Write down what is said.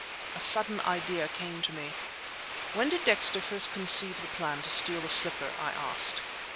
A sudden idea came to me. "When did Dexter first conceive the plan to steal the slipper?" I asked.